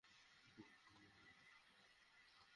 Bat ধর, আমি নিয়ে আসছি।